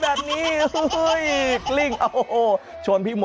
อย่างนี้